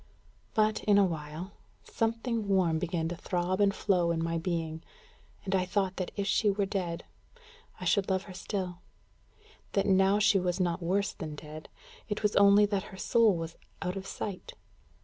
But, in a little while, something warm began to throb and flow in my being; and I thought that if she were dead, I should love her still; that now she was not worse than dead; it was only that her soul was out of sight.